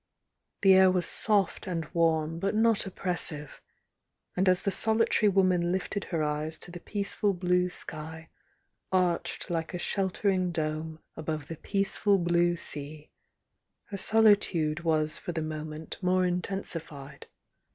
The air was soft and warm but not oppressive, and as the solitary woman lifted her eyes to the peaceful blue sky arched like a shel tering dome above the peaceful blue sea, her soli tude was for the moment more intensified.